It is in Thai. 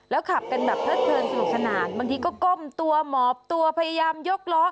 ขับกันแบบเพลิดเพลินสนุกสนานบางทีก็ก้มตัวหมอบตัวพยายามยกล้อ